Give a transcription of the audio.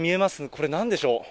これ、なんでしょう？